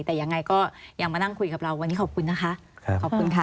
แต่ยังไงก็ยังมานั่งคุยกับเราวันนี้ขอบคุณนะคะขอบคุณค่ะ